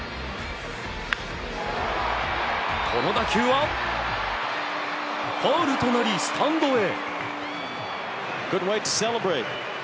この打球はファウルとなりスタンドへ。